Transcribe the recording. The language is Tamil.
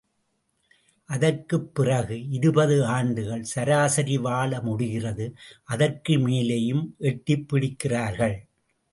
அதற்குப் பிறகு இருபது ஆண்டுகள் சராசரி வாழ முடிகிறது அதற்கு மேலேயும் எட்டிப் பிடிக்கிறார்கள்!.